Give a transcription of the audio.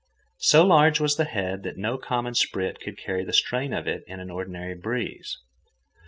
So large was the head that no common sprit could carry the strain of it in an ordinary breeze.